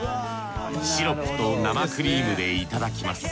シロップと生クリームでいただきます。